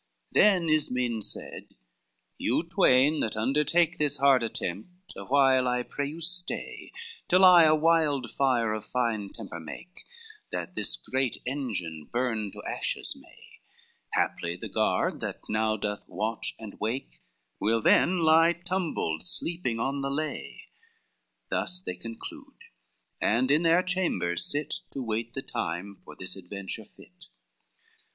XVII Then Ismen said, "You twain that undertake This hard attempt, awhile I pray you stay, Till I a wildfire of fine temper make, That this great engine burn to ashes may; Haply the guard that now doth watch and wake, Will then lie tumbled sleeping on the lay;" Thus they conclude, and in their chambers sit, To wait the time for this adventure fit.